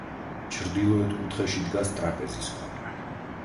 ჩრდილოეთ კუთხეში დგას ტრაპეზის ქვა.